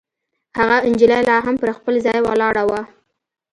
هغه نجلۍ لا هم پر خپل ځای ولاړه وه.